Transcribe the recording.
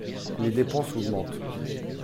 Les dépenses augmentent